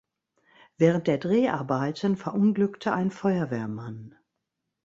Während der Dreharbeiten verunglückte ein Feuerwehrmann.